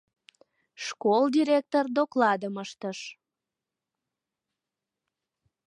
Школ директор докладым ыштыш.